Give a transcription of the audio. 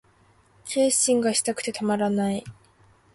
欠伸がしたくてたまらない